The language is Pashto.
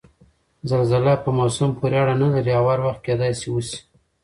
زلزله په موسم پورې اړنه نلري او هر وخت کېدای شي وشي؟